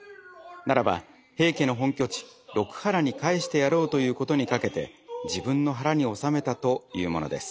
ならば平家の本拠地六波羅にかえしてやろうということに掛けて自分の腹に納めたというものです。